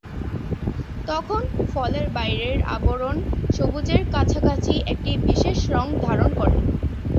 তখন ফলের বাইরের আবরণ সবুজের কাছাকাছি একটি বিশেষ রঙ ধারণ করে।